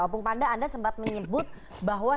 opung panda anda sempat menyebut bahwa